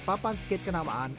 papan skate kenamaan